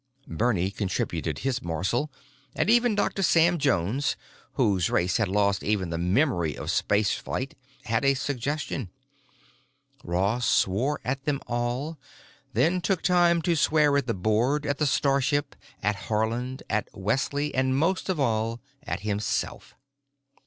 Bernie contributed his morsel, and even Dr. Sam Jones, whose race had lost even the memory of spaceflight, had a suggestion. Ross swore at them all, then took time to swear at the board, at the starship, at Haarland, at Wesley, and most of all at himself.